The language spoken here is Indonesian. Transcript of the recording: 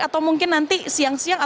atau mungkin nanti siang siang